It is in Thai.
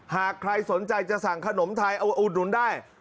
หากใครสนใจจะสั่งขนมไทยเอาไว้อุดหนุนได้